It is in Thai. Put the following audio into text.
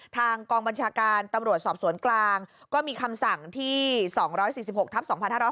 ทางกองบัญชาการตำรวจสอบสวนกลางก็มีคำสั่งที่๒๔๖ทับ๒๕๕๙